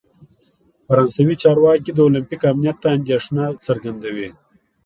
فرانسوي چارواکي د اولمپیک امنیت ته اندیښنه څرګندوي.